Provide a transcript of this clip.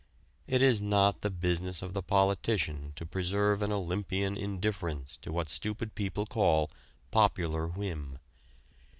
It is not the business of the politician to preserve an Olympian indifference to what stupid people call "popular whim."